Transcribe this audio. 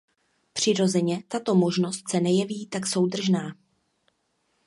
Přirozeně, tato možnost se nejeví tak soudržná.